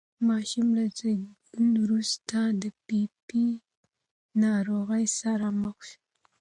ماشوم له زېږون وروسته د پي پي پي ناروغۍ سره مخ شو.